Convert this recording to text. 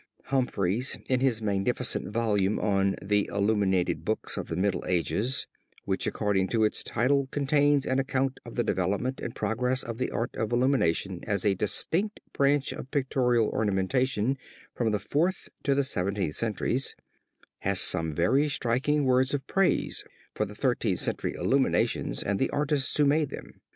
Humphreys in his magnificent volume on The Illuminated Books of the Middle Ages, which according to its title contains an account of the development and progress of the art of illumination as a distinct branch of pictorial ornamentation from the Fourth to the Seventeenth centuries, [Footnote 17] has some very striking words of praise for Thirteenth Century illuminations and the artists who made them.